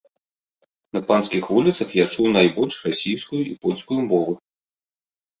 На панскіх вуліцах я чуў найбольш расійскую і польскую мовы.